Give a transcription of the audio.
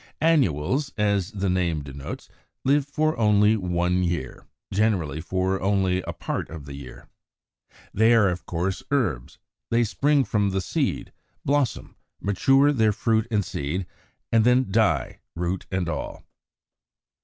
84. =Annuals=, as the name denotes, live for only one year, generally for only a part of the year. They are of course herbs; they spring from the seed, blossom, mature their fruit and seed, and then die, root and all.